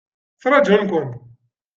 Ttrajun-kun.